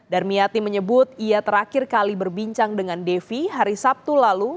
darmiati menyebut ia terakhir kali berbincang dengan devi hari sabtu lalu